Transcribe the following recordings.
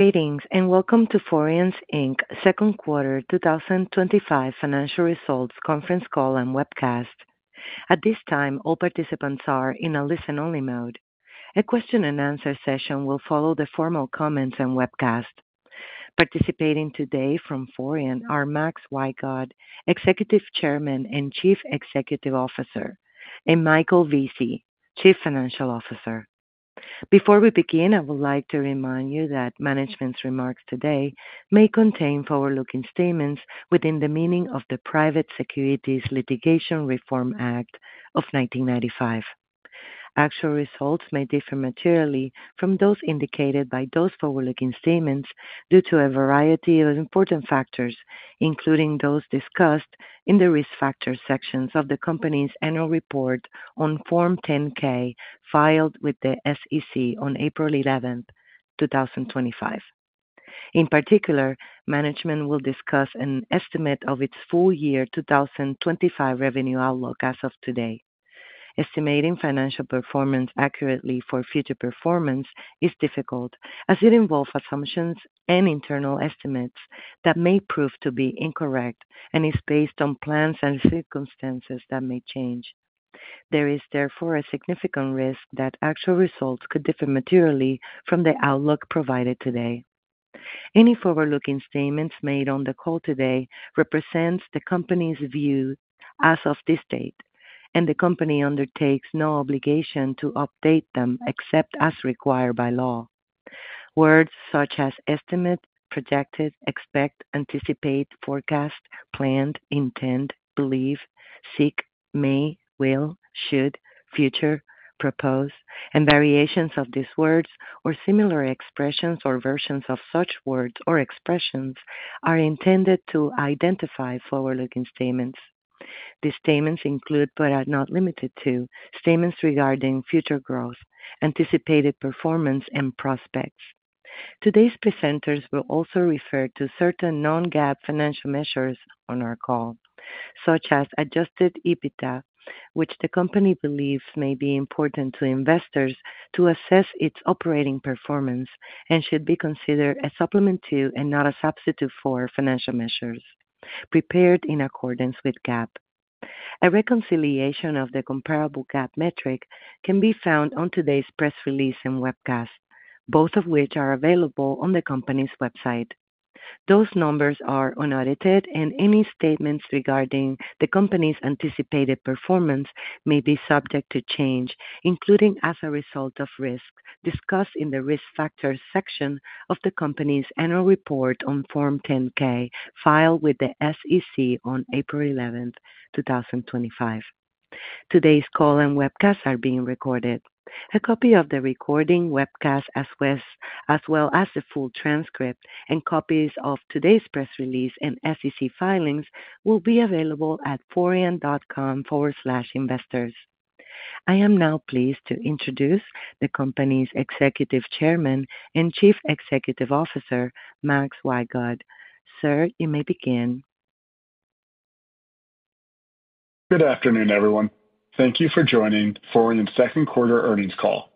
Greetings and welcome to Forian Inc.'s Second Quarter 2025 Financial Results Conference Call and Webcast. At this time, all participants are in a listen-only mode. A question and answer session will follow the formal comments and webcast. Participating today from Forian are Max Wygod, Executive Chairman and Chief Executive Officer, and Michael Vesey, Chief Financial Officer. Before we begin, I would like to remind you that management's remarks today may contain forward-looking statements within the meaning of the Private Securities Litigation Reform Act of 1995. Actual results may differ materially from those indicated by those forward-looking statements due to a variety of important factors, including those discussed in the risk factors sections of the company's annual report on Form 10-K filed with the SEC on April 11, 2025. In particular, management will discuss an estimate of its full-year 2025 revenue outlook as of today. Estimating financial performance accurately for future performance is difficult, as it involves assumptions and internal estimates that may prove to be incorrect and is based on plans and circumstances that may change. There is therefore a significant risk that actual results could differ materially from the outlook provided today. Any forward-looking statements made on the call today represent the company's view as of this date, and the company undertakes no obligation to update them except as required by law. Words such as estimate, projected, expect, anticipate, forecast, planned, intend, believe, seek, may, will, should, future, propose, and variations of these words or similar expressions or versions of such words or expressions are intended to identify forward-looking statements. These statements include, but are not limited to, statements regarding future growth, anticipated performance, and prospects. Today's presenters will also refer to certain non-GAAP financial measures on our call, such as adjusted EBITDA, which the company believes may be important to investors to assess its operating performance and should be considered a supplement to and not a substitute for financial measures prepared in accordance with GAAP. A reconciliation of the comparable GAAP metric can be found on today's press release and webcast, both of which are available on the company's website. Those numbers are unaudited, and any statements regarding the company's anticipated performance may be subject to change, including as a result of risks discussed in the risk factors section of the company's annual report on Form 10-K filed with the SEC on April 11, 2025. Today's call and webcast are being recorded. A copy of the recording webcast as well as the full transcript and copies of today's press release and SEC filings will be available at forian.com/investors. I am now pleased to introduce the company's Executive Chairman and Chief Executive Officer, Max Wygod. Sir, you may begin. Good afternoon, everyone. Thank you for joining Forian's Second Quarter Earnings Call.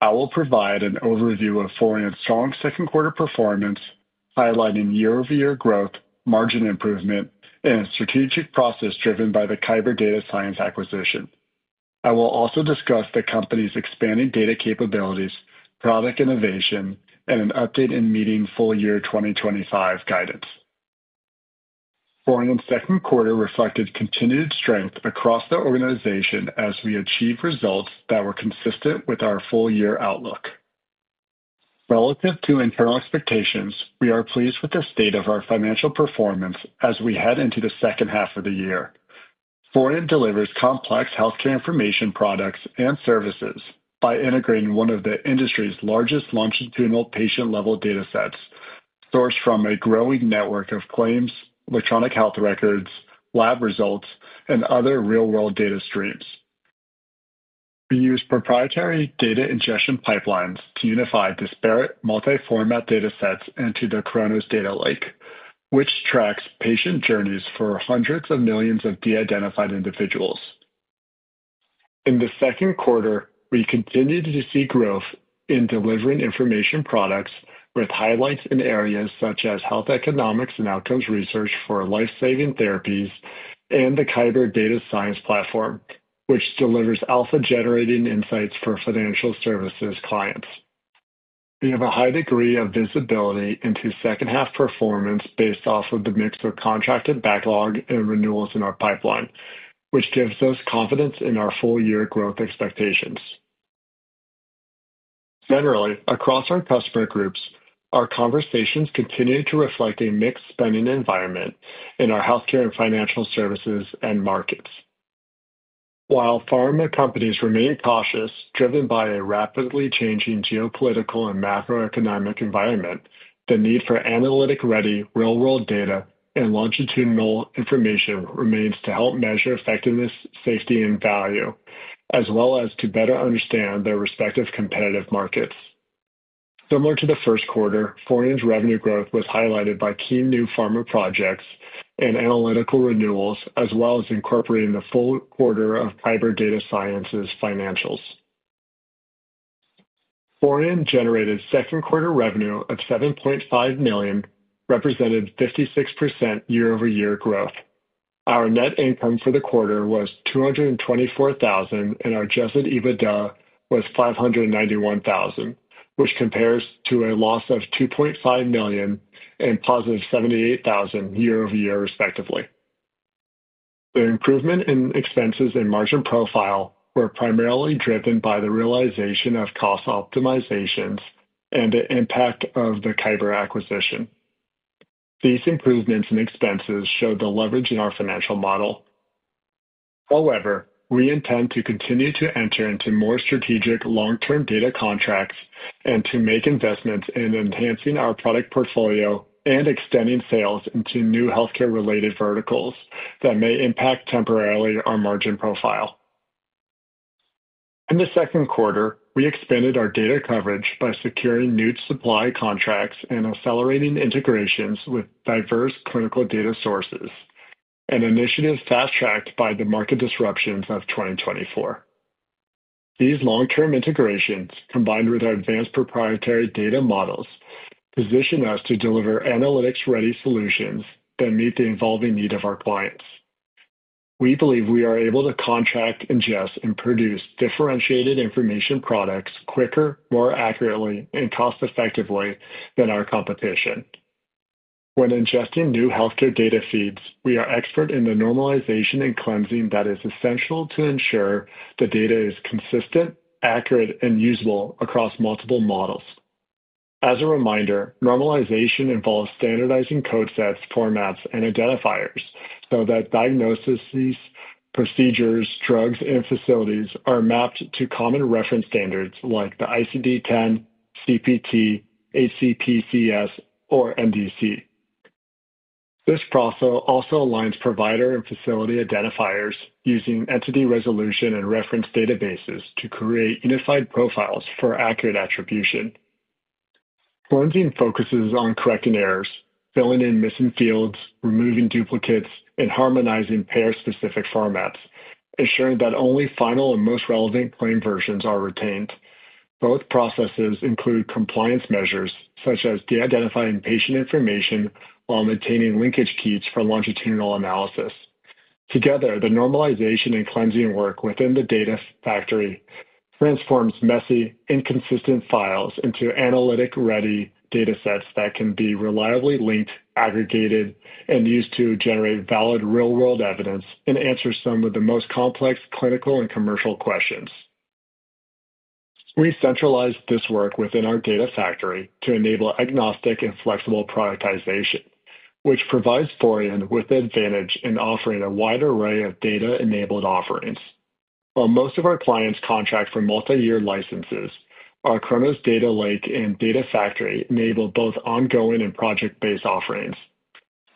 I will provide an overview of Forian's strong second-quarter performance, highlighting year-over-year growth, margin improvement, and a strategic process driven by the Kyber Data Science acquisition. I will also discuss the company's expanded data capabilities, product innovation, and an update in meeting full-year 2025 guidance. Forian's second quarter reflected continued strength across the organization as we achieved results that were consistent with our full-year outlook. Relative to internal expectations, we are pleased with the state of our financial performance as we head into the second half of the year. Forian delivers complex healthcare information products and services by integrating one of the industry's largest longitudinal patient-level datasets, sourced from a growing network of claims, electronic health records, lab results, and other real-world data streams. We use proprietary data ingestion pipelines to unify disparate multi-format datasets into the Chronos Data Lake, which tracks patient journeys for hundreds of millions of de-identified individuals. In the second quarter, we continued to see growth in delivering information products with highlights in areas such as health economics and outcomes research for life-saving therapies and the Kyber Data Science analytics platform, which delivers alpha-generating insights for financial services clients. We have a high degree of visibility into second-half performance based off of the mix of contracted backlog and renewals in our pipeline, which gives us confidence in our full-year growth expectations. Generally, across our customer groups, our conversations continue to reflect a mixed spending environment in our healthcare and financial services markets. While pharma companies remain cautious, driven by a rapidly changing geopolitical and macroeconomic environment, the need for analytic-ready real-world data and longitudinal information remains to help measure effectiveness, safety, and value, as well as to better understand their respective competitive markets. Similar to the first quarter, Forian's revenue growth was highlighted by key new pharma projects and analytical renewals, as well as incorporating the full quarter of Kyber Data Science's financials. Forian generated second-quarter revenue of $7.5 million, representing 56% year-over-year growth. Our net income for the quarter was $224,000 and our adjusted EBITDA was $591,000, which compares to a loss of $2.5 million and +$78,000 year-over-year respectively. The improvement in expenses and margin profile were primarily driven by the realization of cost optimizations and the impact of the Kyber acquisition. These improvements in expenses showed the leverage in our financial model. However, we intend to continue to enter into more strategic long-term data contracts and to make investments in enhancing our product portfolio and extending sales into new healthcare-related verticals that may impact temporarily our margin profile. In the second quarter, we expanded our data coverage by securing new supply contracts and accelerating integrations with diverse clinical data sources, an initiative fast-tracked by the market disruptions of 2024. These long-term integrations, combined with our advanced proprietary data models, position us to deliver analytics-ready solutions that meet the evolving needs of our clients. We believe we are able to contract, ingest, and produce differentiated information products quicker, more accurately, and cost-effectively than our competition. When ingesting new healthcare data feeds, we are expert in the normalization and cleansing that is essential to ensure the data is consistent, accurate, and usable across multiple models. As a reminder, normalization involves standardizing code sets, formats, and identifiers so that diagnoses, procedures, drugs, and facilities are mapped to common reference standards like the ICD-10, CPT, HCPCS, or NDC. This process also aligns provider and facility identifiers using entity resolution and reference databases to create unified profiles for accurate attribution. Cleansing focuses on correcting errors, filling in missing fields, removing duplicates, and harmonizing payer-specific formats, ensuring that only final and most relevant claim versions are retained. Both processes include compliance measures such as de-identifying patient information while maintaining linkage keys for longitudinal analysis. Together, the normalization and cleansing work within the data factory transforms messy, inconsistent files into analytic-ready datasets that can be reliably linked, aggregated, and used to generate valid real-world evidence and answer some of the most complex clinical and commercial questions. We centralize this work within our data factory to enable agnostic and flexible productization, which provides Forian with an advantage in offering a wide array of data-enabled offerings. While most of our clients contract for multi-year licenses, our Chronos Data Lake and data factory enable both ongoing and project-based offerings,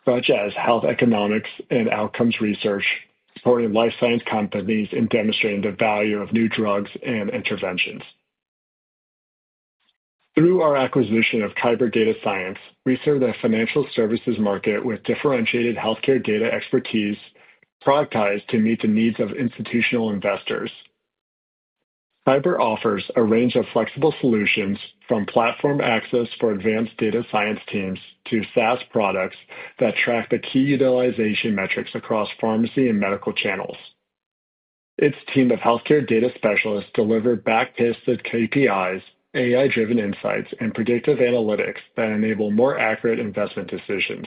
such as health economics and outcomes research for life science companies in demonstrating the value of new drugs and interventions. Through our acquisition of Kyber Data Science, we serve the financial services market with differentiated healthcare data expertise productized to meet the needs of institutional investors. Kyber offers a range of flexible solutions from platform access for advanced data science teams to SaaS products that track the key utilization metrics across pharmacy and medical channels. Its team of healthcare data specialists deliver back-tested KPIs, AI-driven insights, and predictive analytics that enable more accurate investment decisions.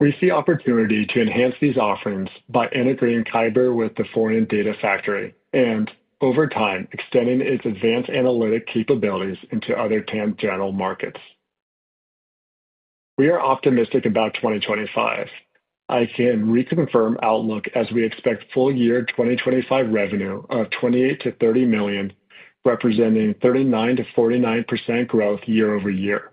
We see opportunity to enhance these offerings by integrating Kyber with the Forian Data Factory and, over time, extending its advanced analytic capabilities into other tangential markets. We are optimistic about 2025. I can reconfirm outlook as we expect full-year 2025 revenue of $28 million-$30 million, representing 39%-49% growth year over year.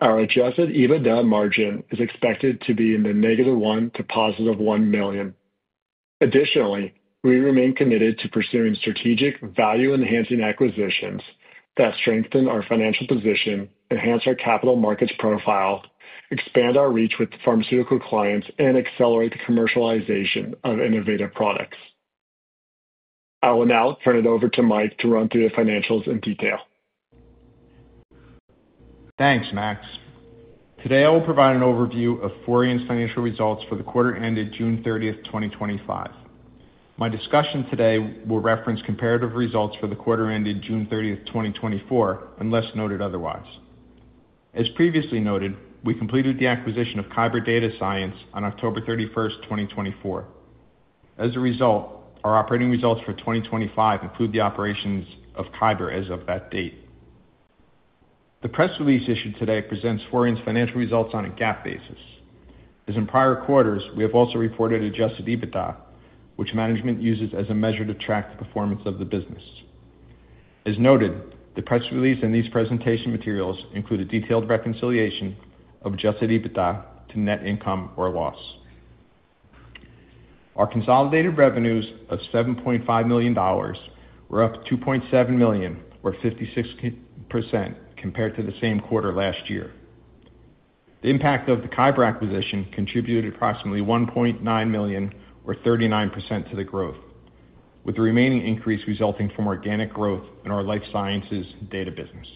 Our adjusted EBITDA margin is expected to be in the -$1 million to +$1 million. Additionally, we remain committed to pursuing strategic value-enhancing acquisitions that strengthen our financial position, enhance our capital markets profile, expand our reach with pharmaceutical clients, and accelerate the commercialization of innovative products. I will now turn it over to Mike to run through the financials in detail. Thanks, Max. Today, I will provide an overview of Forian's financial results for the quarter ended June 30th, 2025. My discussion today will reference comparative results for the quarter ended June 30th, 2024, unless noted otherwise. As previously noted, we completed the acquisition of Kyber Data Science on October 31s5, 2024. As a result, our operating results for 2025 include the operations of Kyber as of that date. The press release issued today presents Forian's financial results on a GAAP basis. As in prior quarters, we have also reported adjusted EBITDA, which management uses as a measure to track the performance of the business. As noted, the press release and these presentation materials include a detailed reconciliation of adjusted EBITDA to net income or loss. Our consolidated revenues of $7.5 million were up $2.7 million, or 56%, compared to the same quarter last year. The impact of the Kyber acquisition contributed approximately $1.9 million, or 39%, to the growth, with the remaining increase resulting from organic growth in our life sciences data business.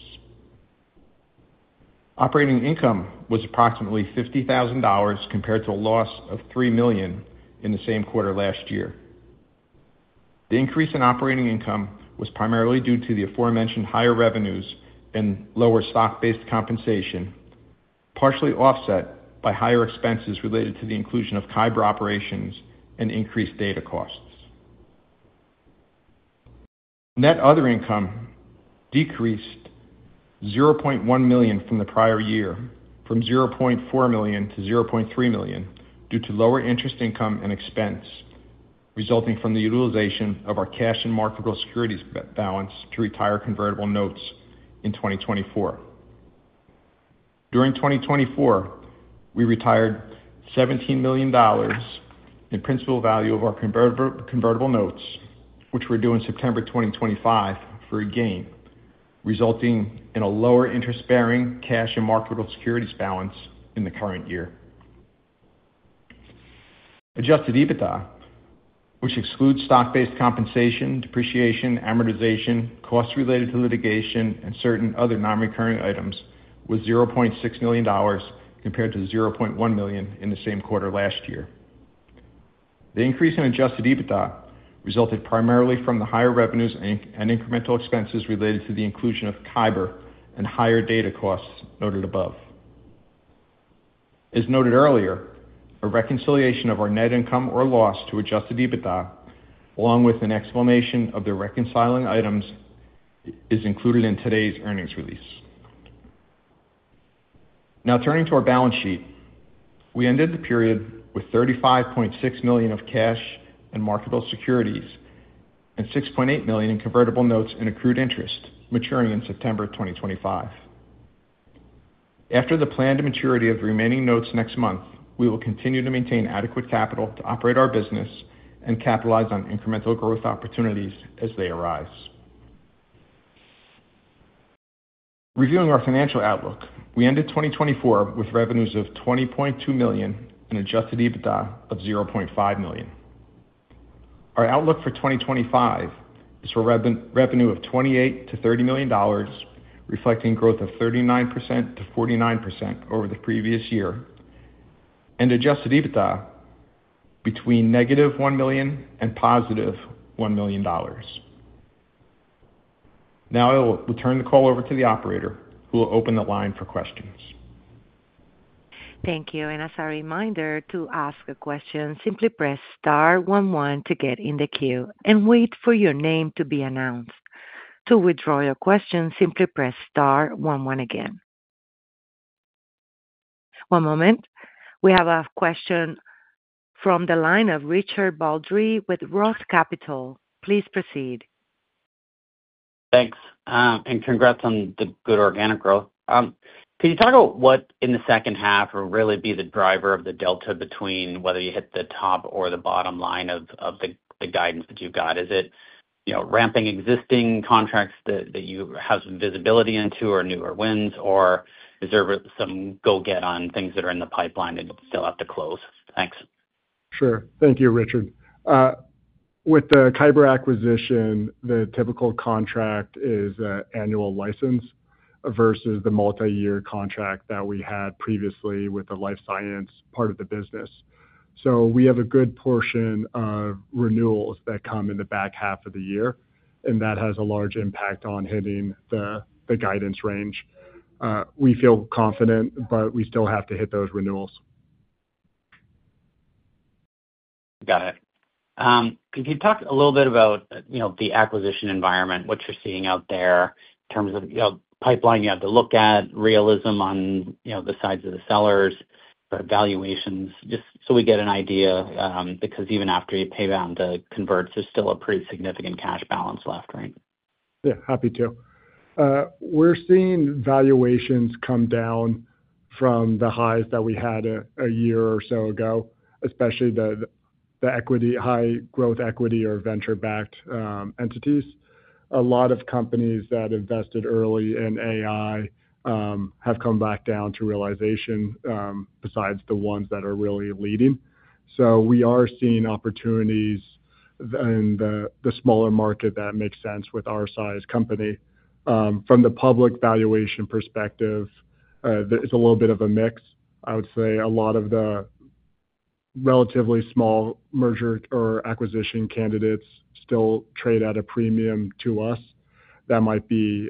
Operating income was approximately $50,000 compared to a loss of $3 million in the same quarter last year. The increase in operating income was primarily due to the aforementioned higher revenues and lower stock-based compensation, partially offset by higher expenses related to the inclusion of Kyber operations and increased data costs. Net other income decreased $0.1 million from the prior year from $0.4 million to $0.3 million due to lower interest income and expense, resulting from the utilization of our cash and marketable securities balance to retire convertible notes in 2024. During 2024, we retired $17 million in the principal value of our convertible notes, which were due in September 2025 for a gain, resulting in a lower interest-bearing cash and marketable securities balance in the current year. Adjusted EBITDA, which excludes stock-based compensation, depreciation, amortization, costs related to litigation, and certain other non-recurring items, was $0.6 million compared to $0.1 million in the same quarter last year. The increase in adjusted EBITDA resulted primarily from the higher revenues and incremental expenses related to the inclusion of Kyber and higher data costs noted above. As noted earlier, a reconciliation of our net income or loss to adjusted EBITDA along with an explanation of the reconciling items is included in today's earnings release. Now, turning to our balance sheet, we ended the period with $35.6 million of cash and marketable securities and $6.8 million in convertible notes and accrued interest maturing in September 2025. After the planned maturity of the remaining notes next month, we will continue to maintain adequate capital to operate our business and capitalize on incremental growth opportunities as they arise. Reviewing our financial outlook, we ended 2024 with revenues of $20.2 million and adjusted EBITDA of $0.5 million. Our outlook for 2025 is for revenue of $28 million-$30 million, reflecting growth of 39%-49% over the previous year, and adjusted EBITDA between -$1 million and +$1 million. Now, I will turn the call over to the operator, who will open the line for questions. Thank you. As a reminder, to ask a question, simply press star one one to get in the queue and wait for your name to be announced. To withdraw your question, simply press star one one again. One moment. We have a question from the line of Richard Baldry with ROTH Capital Partners. Please proceed. Thanks. Congrats on the good organic growth. Could you talk about what in the second half will really be the driver of the delta between whether you hit the top or the bottom line of the guidance that you got? Is it ramping existing contracts that you have some visibility into or newer wins, or is there some go-get on things that are in the pipeline that you still have to close? Thanks. Sure. Thank you, Richard. With the Kyber acquisition, the typical contract is an annual license versus the multi-year contract that we had previously with the life science part of the business. We have a good portion of renewals that come in the back half of the year, and that has a large impact on hitting the guidance range. We feel confident, but we still have to hit those renewals. Got it. Could you talk a little bit about the acquisition environment, what you're seeing out there in terms of pipeline you have to look at, realism on the sides of the sellers, the valuations, just so we get an idea? Because even after you pay down the convertible notes, there's still a pretty significant cash balance left, right? Yeah, happy to. We're seeing valuations come down from the highs that we had a year or so ago, especially the high growth equity or venture-backed entities. A lot of companies that invested early in AI have come back down to realization, besides the ones that are really leading. We are seeing opportunities in the smaller market that make sense with our size company. From the public valuation perspective, it's a little bit of a mix. I would say a lot of the relatively small merger or acquisition candidates still trade at a premium to us. That might be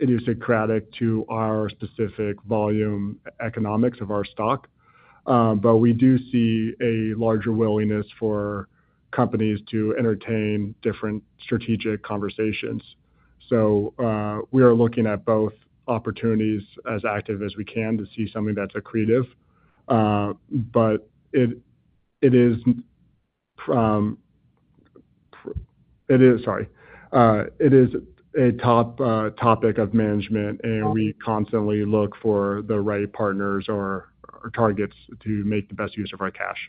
idiosyncratic to our specific volume economics of our stock. We do see a larger willingness for companies to entertain different strategic conversations. We are looking at both opportunities as active as we can to see something that's accretive. It is a top topic of management, and we constantly look for the right partners or targets to make the best use of our cash.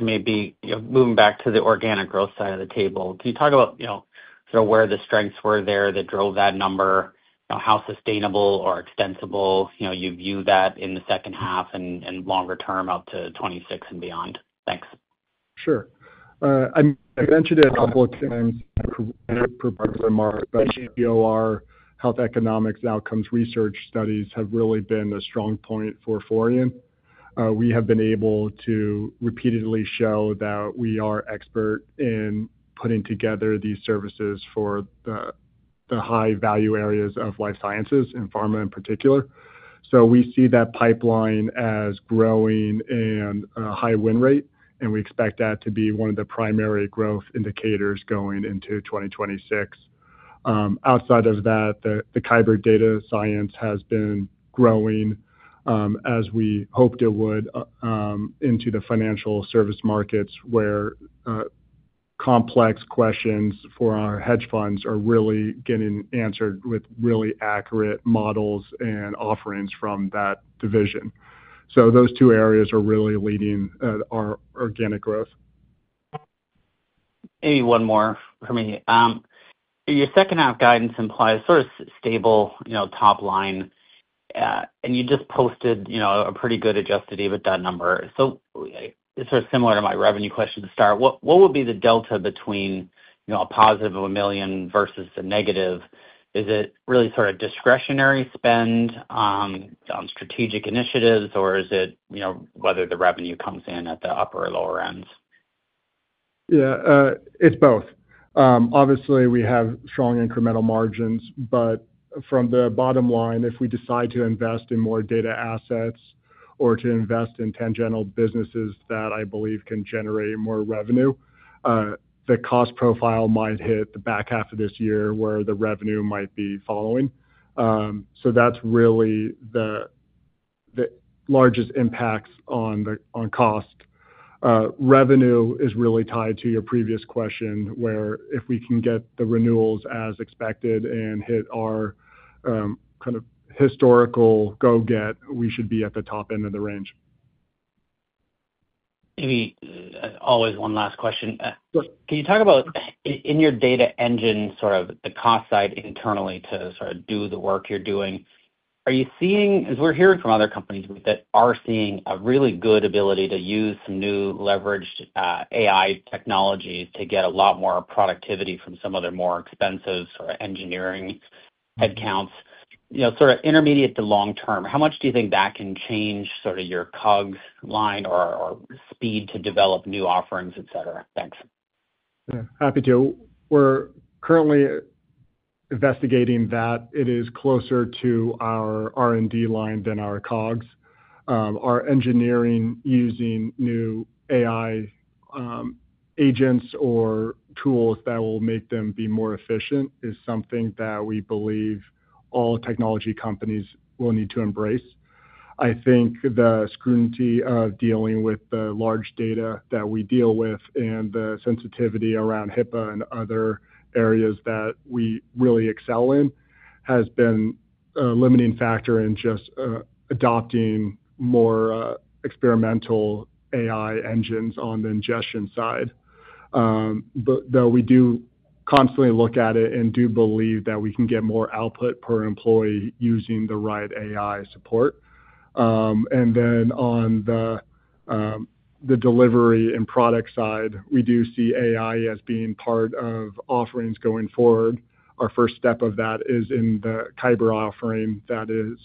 Maybe moving back to the organic growth side of the table, can you talk about sort of where the strengths were there that drove that number, how sustainable or extensible you view that in the second half and longer term out to 2026 and beyond? Thanks. Sure. I mentioned it a couple of times. Current, but CPOR, health economics and outcomes research studies have really been a strong point for Forian. We have been able to repeatedly show that we are expert in putting together these services for the high-value areas of life sciences and pharma in particular. We see that pipeline as growing at a high win rate, and we expect that to be one of the primary growth indicators going into 2026. Outside of that, the Kyber Data Science analytics platform has been growing, as we hoped it would, into the financial service markets where complex questions for our hedge funds are really getting answered with really accurate models and offerings from that division. Those two areas are really leading our organic growth. Any one more for me? Your second-half guidance implies sort of stable top line, and you just posted a pretty good adjusted EBITDA number. It's sort of similar to my revenue question to start. What would be the delta between a positive of $1 million versus a negative? Is it really sort of discretionary spend on strategic initiatives, or is it whether the revenue comes in at the upper or lower ends? Yeah, it's both. Obviously, we have strong incremental margins, but from the bottom line, if we decide to invest in more data assets or to invest in tangential businesses that I believe can generate more revenue, the cost profile might hit the back half of this year where the revenue might be following. That's really the largest impacts on cost. Revenue is really tied to your previous question where if we can get the renewals as expected and hit our kind of historical go-get, we should be at the top end of the range. Maybe always one last question. Can you talk about in your data engine, sort of the cost side internally to sort of do the work you're doing? Are you seeing, as we're hearing from other companies that are seeing a really good ability to use some new leveraged AI technologies to get a lot more productivity from some of their more expensive sort of engineering headcounts? You know, sort of intermediate to long term, how much do you think that can change sort of your COGS line or speed to develop new offerings, et cetera? Thanks. Yeah, happy to. We're currently investigating that. It is closer to our R&D line than our COGS. Our engineering using new AI agents or tools that will make them be more efficient is something that we believe all technology companies will need to embrace. I think the scrutiny of dealing with the large data that we deal with and the sensitivity around HIPAA and other areas that we really excel in has been a limiting factor in just adopting more experimental AI engines on the ingestion side. We do constantly look at it and do believe that we can get more output per employee using the right AI support. On the delivery and product side, we do see AI as being part of offerings going forward. Our first step of that is in the Kyber Data Science offering that is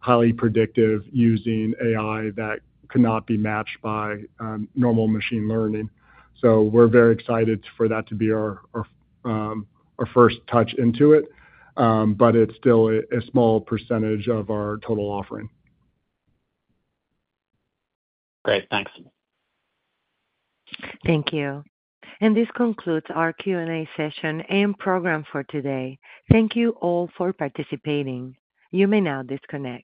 highly predictive using AI that could not be matched by normal machine learning. We're very excited for that to be our first touch into it, but it's still a small percentage of our total offering. Great. Thanks. Thank you. This concludes our Q&A session and program for today. Thank you all for participating. You may now disconnect.